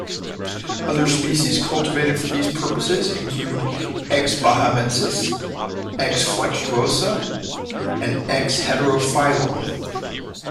Other species cultivated for these purposes include "X. bahamensis", "X. flexuosa", and "X. heterophyllum".